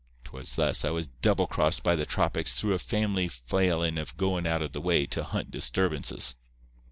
"'Twas thus I was double crossed by the tropics through a family failin' of goin' out of the way to hunt disturbances.